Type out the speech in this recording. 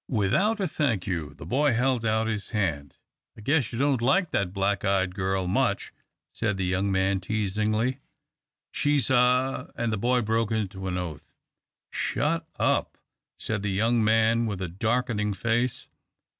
Without a "thank you," the boy held out his hand. "I guess you don't like that black eyed girl much," said the young man, teasingly. "She's a " and the boy broke into an oath. "Shut up!" said the young man, with a darkening face.